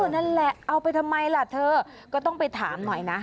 นั่นแหละเอาไปทำไมล่ะเธอก็ต้องไปถามหน่อยนะ